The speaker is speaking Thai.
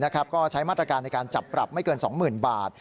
ก็ใช้มาตรการในการจับปรับไม่เกิน๒๐๐๐บาท